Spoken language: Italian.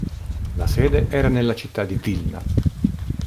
La sede era nella città di Vilna.